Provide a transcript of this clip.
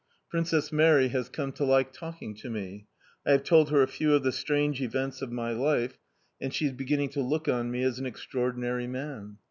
Princess Mary has come to like talking to me; I have told her a few of the strange events of my life, and she is beginning to look on me as an extraordinary man.